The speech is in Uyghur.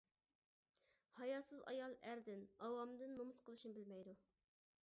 ھاياسىز ئايال ئەردىن، ئاۋامدىن نومۇس قىلىشنى بىلمەيدۇ.